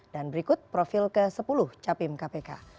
dan berikut profil ke sepuluh capim kpk